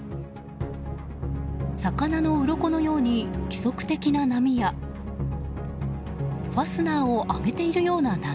魚のうろこのように規則的な波やファスナーを上げているような波。